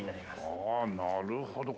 ああなるほど。